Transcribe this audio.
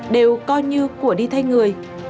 đều coi như của đi thay người